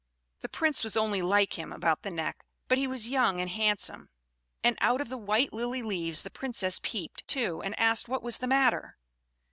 The Prince was only like him about the neck; but he was young and handsome. And out of the white lily leaves the Princess peeped, too, and asked what was the matter.